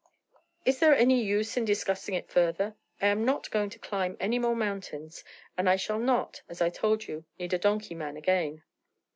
'Is there any use in discussing it further? I am not going to climb any more mountains, and I shall not, as I told you, need a donkey man again.'